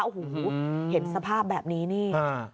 โอ้โหเห็นสภาพแบบนี้นี่